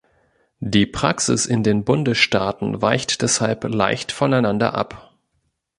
Die Praxis in den Bundesstaaten weicht deshalb leicht voneinander ab.